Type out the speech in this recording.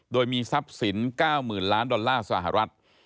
โดยมีทรัพย์สิน๙๐๐๐ล้านดอลลาร์สหรัฐ